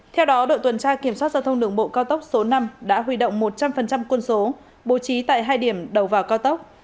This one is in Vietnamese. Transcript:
theo đó đội tuần tra kiểm soát giao thông đường bộ cao tốc số năm đã huy động một trăm linh quân số bố trí tại hai điểm đầu vào cao tốc